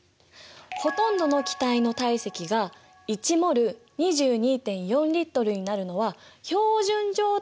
ほとんどの気体の体積が１ｍｏｌ２２．４Ｌになるのは標準状態のときだけなんだ。